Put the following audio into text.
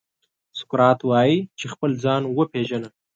سقراط وايي چې خپل ځان وپېژنه.